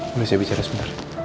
boleh saya bicara sebentar